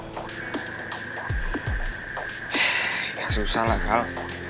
eh ya susah lah kal